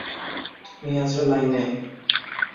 তুমি আছ লাইনে?